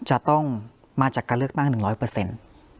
จะต้องมาจากการเลือกตั้งหนึ่งร้อยเปอร์เซ็นต์